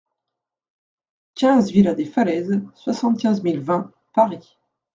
quinze villa des Falaises, soixante-quinze mille vingt Paris